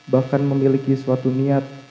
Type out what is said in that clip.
bahkan memiliki suatu niat